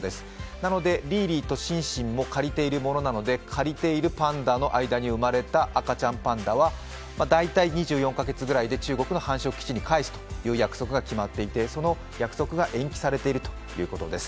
なのでリーリーとシンシンも借りているものなので借りているパンダの間に生まれた赤ちゃんパンダは大体、２４ヶ月ぐらいで中国の繁殖基地に返すという約束が決まっていて、その約束が延期されているということです。